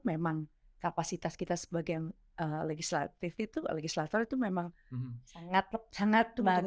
memang kapasitas kita sebagai legislatif itu legislator itu memang sangat membantu